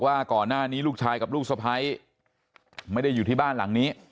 ว่าก่อนหน้านี้ลูกชายกับลูกสะพ้ายไม่ได้อยู่ที่บ้านหลังนี้